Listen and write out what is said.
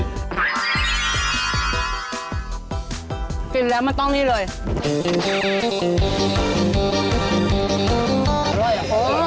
กินแล้วมันต้องนี่เลย